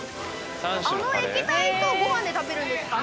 あの液体とご飯で食べるんですかね？